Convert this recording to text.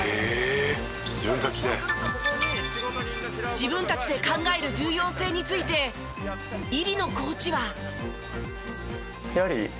自分たちで考える重要性について入野コーチは。